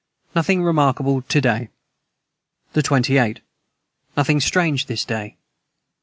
Nothing remarkable to day. the 28. Nothing strange this day.